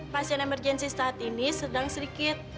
pasien emergensi saat ini sedang sedikit